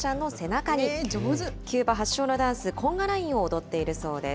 キューバ発祥のダンス、コンガラインを踊っているそうです。